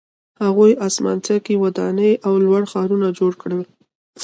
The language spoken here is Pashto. هغوی اسمان څکې ودانۍ او لوی ښارونه جوړ کړل